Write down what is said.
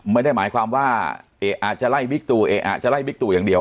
ไม่ได้หมายความว่าอาจจะไล่บิ๊กตูเอะอาจจะไล่บิ๊กตู่อย่างเดียว